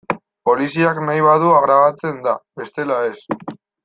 Poliziak nahi badu grabatzen da, bestela ez.